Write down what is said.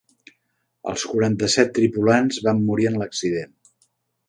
Els quaranta-set tripulants van morir en l'accident.